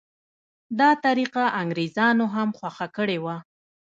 دا طریقه انګریزانو هم خوښه کړې وه.